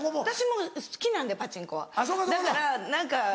私も好きなんでパチンコはだから何か。